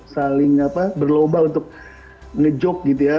saling berlomba untuk ngejok gitu ya